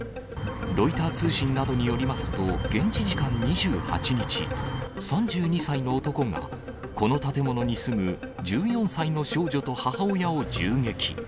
ロイター通信などによりますと、現地時間２８日、３２歳の男がこの建物に住む１４歳の少女と母親を銃撃。